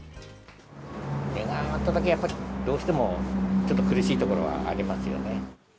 値が上がっただけ、やっぱり、どうしてもちょっと苦しいところはありますよね。